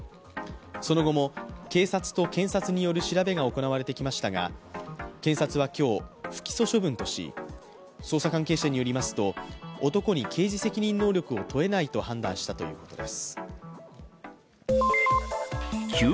その後も警察と検察による調べが行われてきましたが検察は今日、不起訴処分とし捜査関係者によりますと男に刑事責任能力を問えないと判断したそうです。